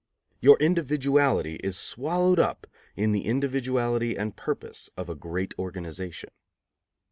Your individuality is swallowed up in the individuality and purpose of a great organization.